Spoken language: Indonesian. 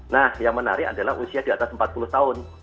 nah yang menarik adalah usia di atas empat puluh tahun